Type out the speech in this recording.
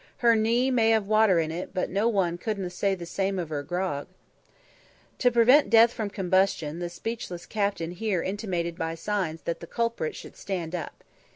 Her knee may 'ave water in it; but no one couldn't say the same of her grog." To prevent death from combustion, the speechless captain here intimated by signs that the culprit should stand up.